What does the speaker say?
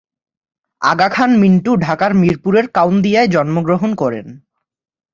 আগা খান মিন্টু ঢাকার মিরপুরের কাউন্দিয়ায় জন্মগ্রহণ করেন।